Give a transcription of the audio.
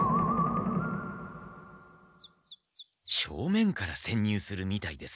正面からせんにゅうするみたいです。